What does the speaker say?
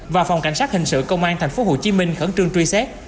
và phòng cảnh sát hình sự công an tp hcm khẩn trương truy xét